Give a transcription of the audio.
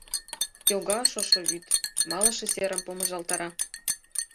Йога шошо вӱд, малыше серым помыжалтара.